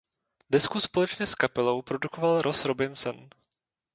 Desku společně s kapelou produkoval Ross Robinson.